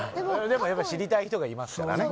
でもやっぱ知りたい人がいますからね